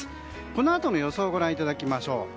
このあとの予想をご覧いただきましょう。